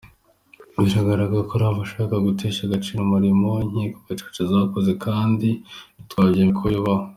Biragaragara ko hari abashaka gutesha agaciro umurimo inkiko Gacaca zakoze kandi ntitwabyemera ko bibaho.